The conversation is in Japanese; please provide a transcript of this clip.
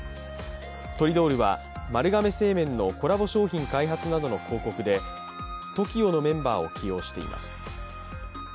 トリドールは丸亀製麺のコラボ商品開発などの広告でＴＯＫＩＯのメンバーを起用しています。